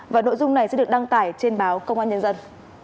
và nội dung này sẽ được đăng tải trên báo công an nhân dân